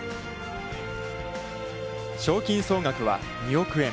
賞金総額は２億円。